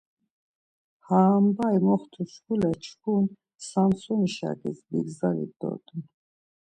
Ham ambai moxtu şkule çku Samsoni’ şakis bigzalit dort̆un.